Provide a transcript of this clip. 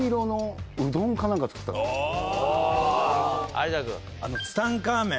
有田君。